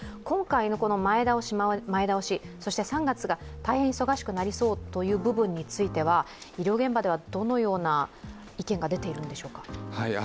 今回の前倒し、そして３月が大変忙しくなりそうという部分についてどのような意見が出ているんでしょうか。